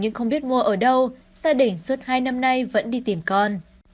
cô gái không biết mua ở đâu xa đỉnh suốt hai năm nay vẫn đi tìm con